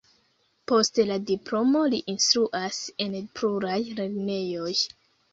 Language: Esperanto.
Post la diplomo li instruas en pluraj lernejoj.